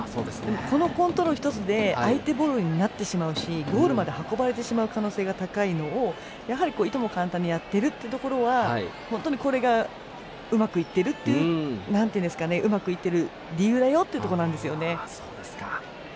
このコントロール１つで相手ボールになってしまうしゴールまで運ばれてしまう可能性が高いのをやはり、いとも簡単にやっているというところは本当に、これがうまくいっている理由だよというところなんですね。